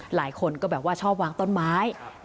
หลายคนก็แบบว่าชอบวางต้นไม้